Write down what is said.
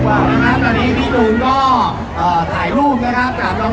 ขอบคุณมากนะคะแล้วก็แถวนี้ยังมีชาติของ